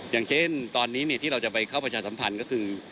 อย่างเช่นตอนนี้ที่เราจะไปเข้าประชาสัมพันธ์ก็คือ